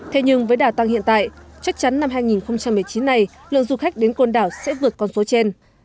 thế nhưng với đả tăng hiện tại chắc chắn năm hai nghìn một mươi chín này lượng du khách đến côn đảo sẽ vượt con số trên